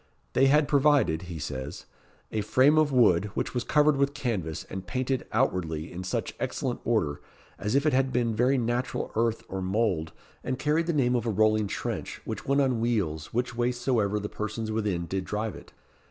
"They had provided," he says, "a frame of wood, which was covered with canvas, and painted outwardly in such excellent order, as if it had been very natural earth or mould, and carried the name of a rolling trench, which went on wheels which way soever the persons within did drive it.